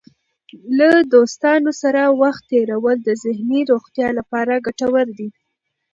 له دوستانو سره وخت تېرول د ذهني روغتیا لپاره ګټور دی.